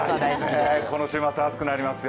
この週末暑くなりますよ。